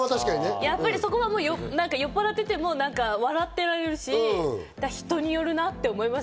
やっぱりそこは酔っぱらっていても笑っていられるし、人によるなって思います。